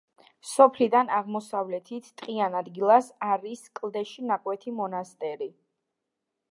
სოფლიდან აღმოსავლეთით ტყიან ადგილას არის კლდეში ნაკვეთი მონასტერი.